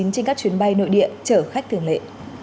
trên các chuyến bay nội địa chở khách thường lệ